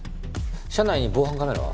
社内に防犯カメラは？